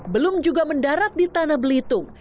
belum juga mendarat di tanah belitung